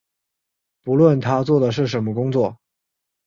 不论他做的是什么工作